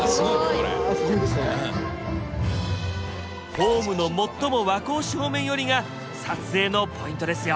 ホームの最も和光市方面寄りが撮影のポイントですよ！